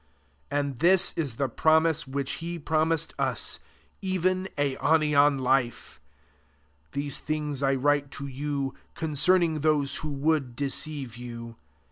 25 And this is the promise which he promised us, even aionian life. 26 These things J write to you concerning those who v>ould deceive you.